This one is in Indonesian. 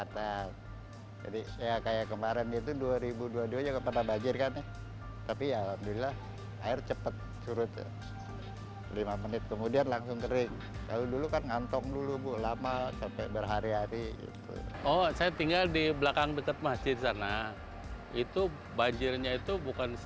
terima kasih tertarik